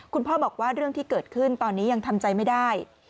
คุณพ่อบอกว่าเรื่องที่เกิดขึ้นตอนนี้ยังทำใจไม่ได้